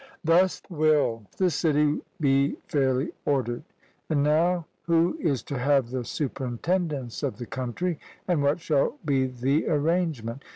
Thus will the city be fairly ordered. And now, who is to have the superintendence of the country, and what shall be the arrangement?